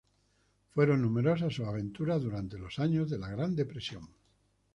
Fueron numerosas sus aventuras durante los años de la Gran Depresión.